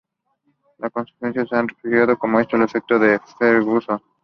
Los comentaristas se han referido a esto como el efecto Ferguson.